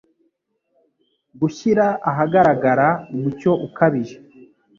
gushyira ahagaragara umucyo ukabije